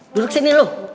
duduk sini lu